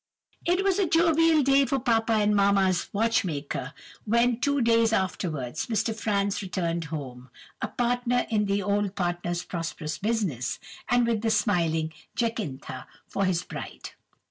"It was a jovial day for Papa and Mamma's Watchmaker when, two years afterwards, Mr. Franz returned home, a partner in the old partner's prosperous business, and with the smiling Jacintha for his bride.